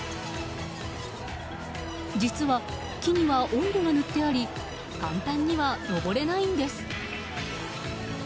実は木にはオイルが塗ってあり簡単には登れないんです。